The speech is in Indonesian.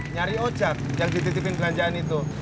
nyari oca yang dititipin belanjaan itu